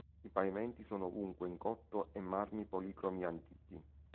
I pavimenti sono ovunque in cotto e marmi policromi antichi.